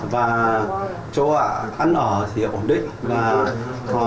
và chỗ ăn ở thì ổn định